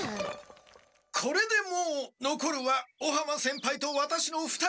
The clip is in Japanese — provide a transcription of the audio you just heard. これでもうのこるは尾浜先輩とワタシの２人です！